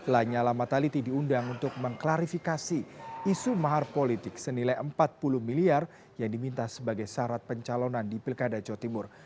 lanyala mataliti diundang untuk mengklarifikasi isu mahar politik senilai empat puluh miliar yang diminta sebagai syarat pencalonan di pilkada jawa timur